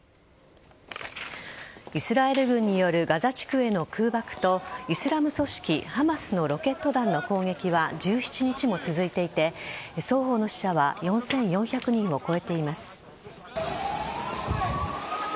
イスラエル軍によるガザ地区への空爆とイスラム組織・ハマスのロケット弾の攻撃は１７日も続いていて双方の死者は４４００人を超えています。